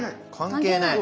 関係ない。